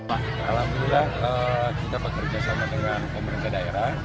alhamdulillah kita bekerja sama dengan pemerintah daerah